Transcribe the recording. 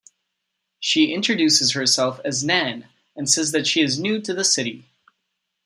She introduces herself as Nan, and says that she is new to the city.